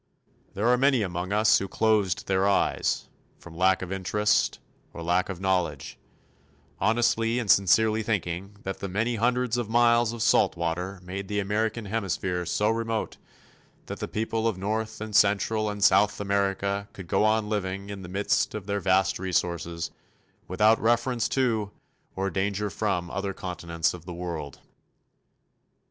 There are many among us who closed their eyes, from lack of interest or lack of knowledge; honestly and sincerely thinking that the many hundreds of miles of salt water made the American Hemisphere so remote that the people of North and Central and South America could go on living in the midst of their vast resources without reference to, or danger from, other Continents of the world.